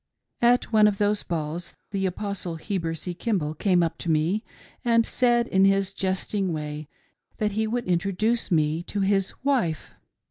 At one of those balls the Apostle Heber C. Kimball came up to me and said in his jesting way that he would introduce me to his wife.